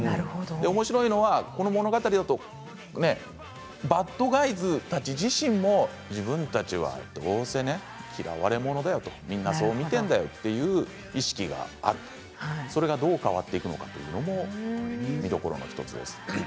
おもしろいのがこの物語だとバッドガイズたち自身も自分たちはどうせ嫌われ者だよどうせみんなそう見ているんだよという意識があるそれがどう変わっていくのかというのも見どころの１つです。